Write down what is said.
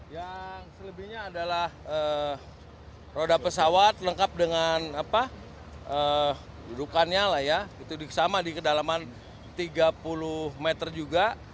yang selebihnya adalah roda pesawat lengkap dengan dudukannya lah ya itu sama di kedalaman tiga puluh meter juga